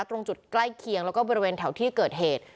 ตรงจุดใกล้เคียงแล้วก็บริเวณแถวที่เกิดเหตุ